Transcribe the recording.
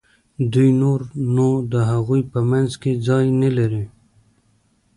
دوی نور نو د هغوی په منځ کې ځای نه لري.